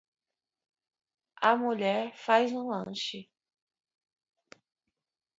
A mulher faza um lanche.